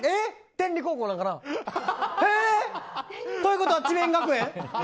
天理高校なんかな？ということは智弁学園？